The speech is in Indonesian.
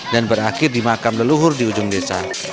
dan berakhir di makam leluhur di ujung desa